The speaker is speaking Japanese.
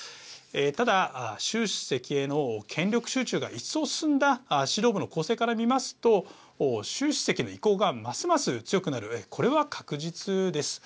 ただ、習主席への権力集中が一層進んだ指導部の構成から見ますと習主席の意向がますます強くなるうえこれは確実です。